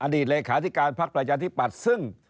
อดีตเลขาธิการภักดิ์ประจาธิปัตย์ซึ่ง